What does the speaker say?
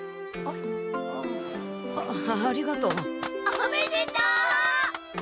おめでとう！